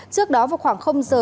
trước đó vào khoảng giờ